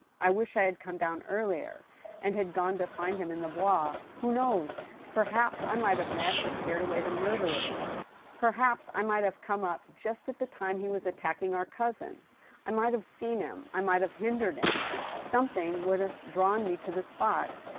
... I wish I had come down earlier, and had gone to find him in the Bois. Who knows ? Perhaps I might have met or scared away the murderer !... Perhaps I might have come up just at the time he was attack ing our cousin. ... I might have seen him, ... I might have hin« dered him. Something would have drawn me to the spot